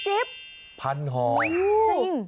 จริง